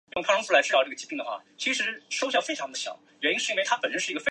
竟陵八友之一。